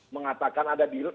mengatakan ada deal